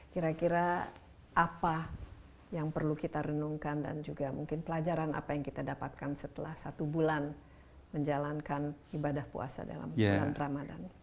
kira kira apa yang perlu kita renungkan dan juga mungkin pelajaran apa yang kita dapatkan setelah satu bulan menjalankan ibadah puasa dalam bulan ramadan